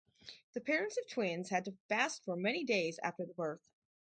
The parents of twins had to fast for many days after the birth.